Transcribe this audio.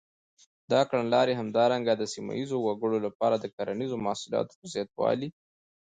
دا کړنلارې همدارنګه د سیمه ییزو وګړو لپاره د کرنیزو محصولاتو په زباتوالي.